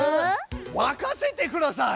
任せてください！